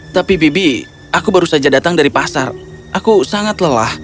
tapi bibi aku baru saja datang dari pasar aku sangat lelah